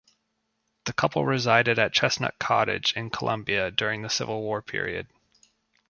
The couple resided at Chesnut Cottage in Columbia during the Civil War period.